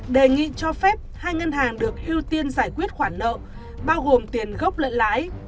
đề nghị cho phép hai ngân hàng được ưu tiên giải quyết khoản nợ bao gồm tiền gốc lẫn lãi